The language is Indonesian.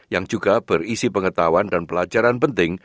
yang juga berisi pengetahuan dan pelajaran penting